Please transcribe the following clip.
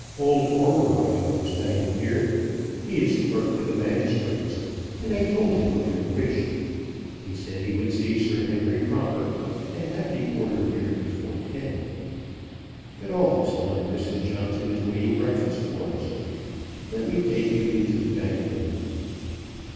Old Ormerod was dining here; he is clerk to the magistrates, and I told him of your wish. He said he would see Sir Henry Croper, and have the order here before ten. But all this time Mrs. Johnson is waiting breakfast for us. Let me take you into the dining room."